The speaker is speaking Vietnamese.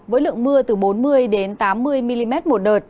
với lượng mưa từ bốn mươi tám mươi mm một đợt